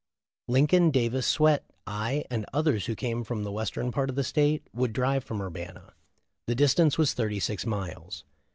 Lincoln, Davis, Swett, I, and others who came from the western part of the state would drive from Urbana. The distance was thirty six miles.